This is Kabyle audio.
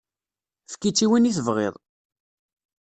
Efk-itt i win i tebɣiḍ.